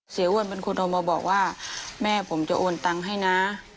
อ้วนเป็นคนเอามาบอกว่าแม่ผมจะโอนตังค์ให้นะ